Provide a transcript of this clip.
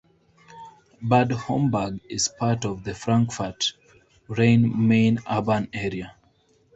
Bad Homburg is part of the Frankfurt Rhein-Main urban area.